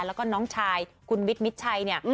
แล้วก็น้องชายคุณวิทย์มิดชัยเนี่ย